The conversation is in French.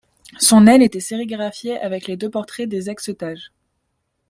Son aile était sérigraphiée avec les deux portraits des ex otages.